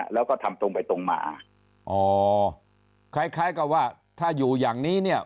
แล้วก็ทำตรงไปตรงมาอ๋อคล้ายคล้ายกับว่าถ้าอยู่อย่างนี้เนี่ย